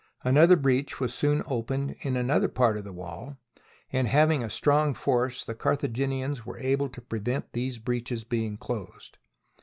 Another breach was soon opened in another part of the wall, and having a strong force, the Carthaginians were able to prevent these breaches being closed.